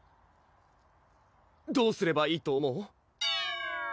どうすればいいと思う？